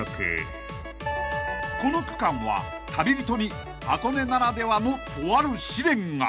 ［この区間は旅人に箱根ならではのとある試練が］